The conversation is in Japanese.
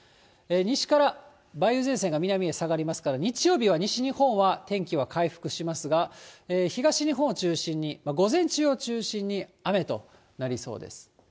西から梅雨前線が南へ下がりますから、日曜日は西日本は天気は回復しますが、東日本を中心に、午前中を中心に雨となりそうです。